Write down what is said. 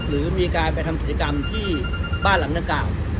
หรือมีการไปทำศัยกรรมที่บ้านหลังดังกล่าว